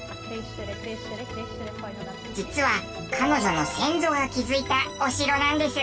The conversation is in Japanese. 実は彼女の先祖が築いたお城なんです。